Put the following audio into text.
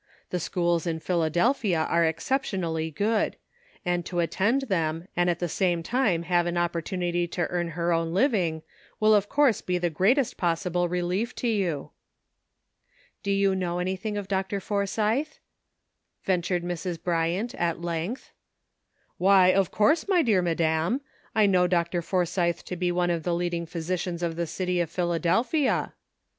The schools in Philadelphia are excep tionally good ; and to attend them and at the same time have an opportunity to earn her own living will of course be the greatest possible relief to you." '' Do you know anything of Dr. Forsythe?" ventured Mrs. Bryant, at length. ''Why, of course, my dear madam; I know Dr. Forsythe to be one of the leading physi cians of the city of Philadelphia."